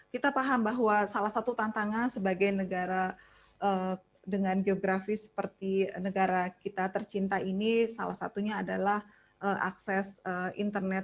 kita paham bahwa salah satu tantangan sebagai negara dengan geografis seperti negara kita tercinta ini salah satunya adalah akses internet